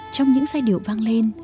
trong những giai điệu vang lên